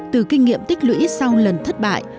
từ kinh nghiệm tích lũy sau lần thất bại